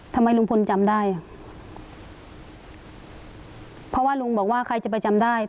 ทำไมลุงพลจำได้อ่ะเพราะว่าลุงบอกว่าใครจะไปจำได้